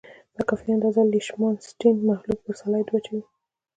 په کافي اندازه لیشمان سټین محلول پر سلایډ واچوئ.